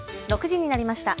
６時になりました。